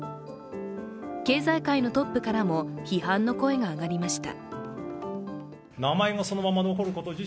経済界のトップからも批判の声が上がりました。